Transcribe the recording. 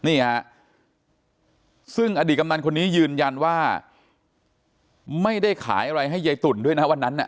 นี่ฮะซึ่งอดีตกำนันคนนี้ยืนยันว่าไม่ได้ขายอะไรให้ยายตุ่นด้วยนะวันนั้นน่ะ